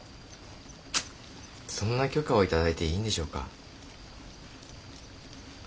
そんな許可を頂いていいんでしょうか？